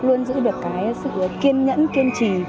luôn giữ được cái sự kiên nhẫn kiên trì